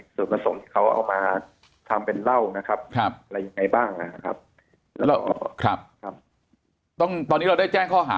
ส่วนผสมที่เขาเอามาทำเป็นเหล้านะครับอะไรยังไงบ้างนะครับแล้วเราออกครับตอนนี้เราได้แจ้งข้อหา